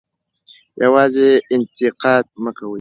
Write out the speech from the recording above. یوازې انتقاد مه کوئ.